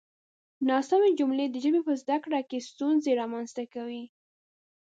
ناسمې جملې د ژبې په زده کړه کې ستونزې رامنځته کوي.